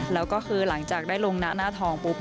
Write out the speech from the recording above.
แล้วก็คือหลังจากได้ลงหน้าทองปุ๊บ